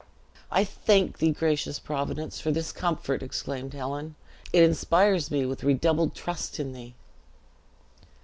"I thank thee, gracious Providence, for this comfort!" exclaimed Helen; "it inspires me with redoubled trust in thee."